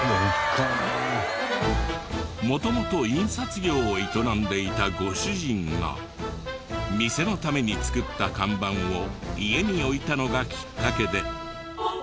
元々印刷業を営んでいたご主人が店のために作った看板を家に置いたのがきっかけで。